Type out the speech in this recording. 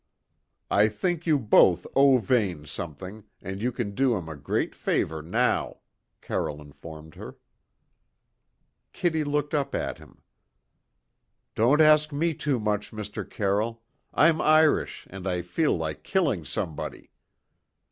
"I think you both owe Vane something, and you can do him a great favour now," Carroll informed her. Kitty looked up at him. "Don't ask me too much, Mr. Carroll. I'm Irish, and I feel like killing somebody."